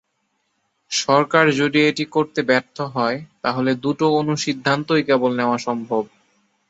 সরকার যদি এটি করতে ব্যর্থ হয়, তাহলে দুটো অনুসিদ্ধান্তই কেবল নেওয়া সম্ভব।